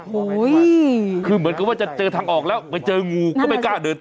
โอ้โหคือเหมือนกับว่าจะเจอทางออกแล้วไปเจองูก็ไม่กล้าเดิน